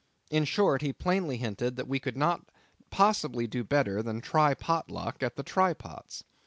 In short, he plainly hinted that we could not possibly do better than try pot luck at the Try Pots.